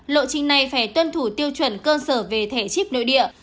lộ trình này phải tuân thủ tiêu chuẩn cơ sở về thẻ chip nội địa